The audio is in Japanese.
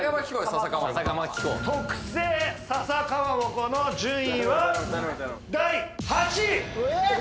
特製笹かまぼこの順位は第８位えっ！